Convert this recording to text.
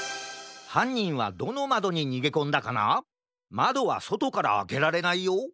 まどはそとからあけられないよ